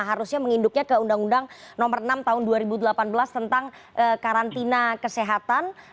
harusnya menginduknya ke undang undang nomor enam tahun dua ribu delapan belas tentang karantina kesehatan